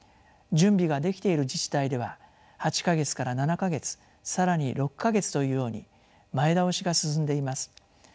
準備ができている自治体では８か月から７か月更に６か月というように前倒しが進んでいます。